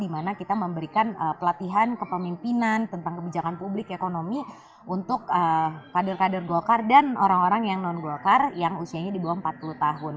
dimana kita memberikan pelatihan kepemimpinan tentang kebijakan publik ekonomi untuk kader kader golkar dan orang orang yang non golkar yang usianya di bawah empat puluh tahun